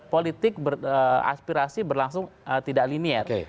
politik aspirasi berlangsung tidak linier